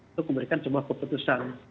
itu memberikan sebuah keputusan